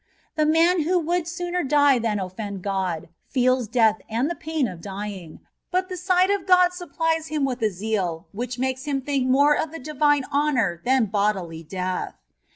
The man who would die sooner than offend God, feels death and the pain of dying ; but the sight of God sup plies him with a zeal which makes him think more of the divine honour than bodily death.